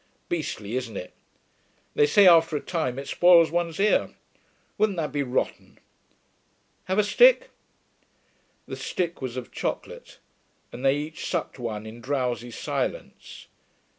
Beastly, isn't it?... They say after a time it spoils one's ear. Wouldn't that be rotten. Have a stick?' The stick was of chocolate, and they each sucked one in drowsy silence.